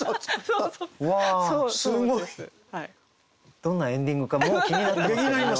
どんなエンディングかもう気になってますけどね。